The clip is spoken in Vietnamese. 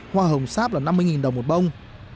hoa hồng sáp là năm mươi đồng một bông